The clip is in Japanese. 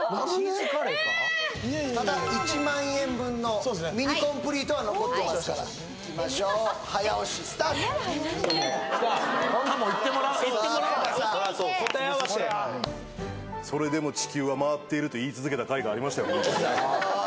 ただ１万円分のミニコンプリートは残ってますからいきましょう早押しスタートいってもらおうや答え合わせやと言い続けたかいがありましたよ